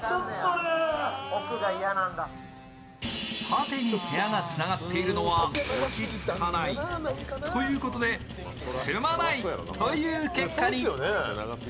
縦に部屋がつながっているのは落ち着かないということで住まないという結果に。